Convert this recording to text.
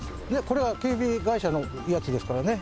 これは警備会社のやつですからね。